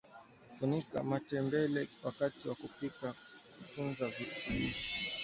funika matembele wakati wa kupika kutunza virutubishi